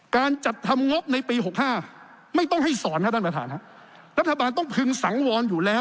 การจัดทำงบในปี๖๕ไม่ต้องให้สอนครับท่านประธานครับรัฐบาลต้องพึงสังวรอยู่แล้ว